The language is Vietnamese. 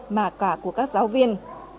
mà cả của các giáo viên